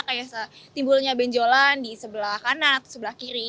kayak timbulnya benjolan di sebelah kanan atau sebelah kiri